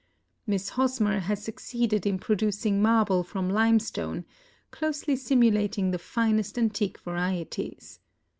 Miss Hosmer has succeeded in producing marble from limestone, closely simulating the finest antique varieties.